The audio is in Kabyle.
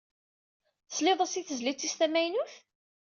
Tesliḍ as i tezlit is tamaynut?